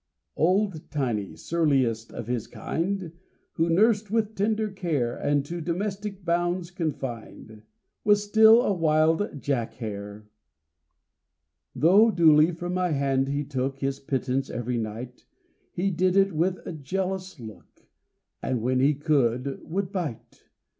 Old Tiney, surliest of his kind, Who, nursed with tender care, And to domestic bounds confined, Was still a wild Jack hare. Though duly from my hand he took His pittance every night, He did it with a jealous look, And, when he could, would bite.